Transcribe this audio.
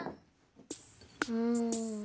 うん。